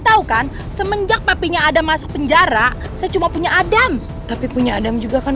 tahu kan semenjak papinya ada masuk penjara saya cuma punya adam tapi punya adam juga kan